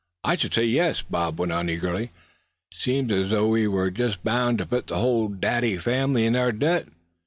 "I should say, yes," Bob went on, eagerly; "seems as though we were just bound to put the whole Dady family in our debt.